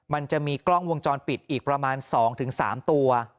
มันจะมีกล้องวงจรปิดอีกประมาณ๒๓ตัว